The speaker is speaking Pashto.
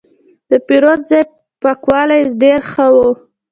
د پیرود ځای پاکوالی ډېر ښه و.